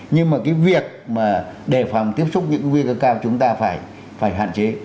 nhưng mà cái việc mà đề phòng tiếp xúc những nguy cơ cao chúng ta phải hạn chế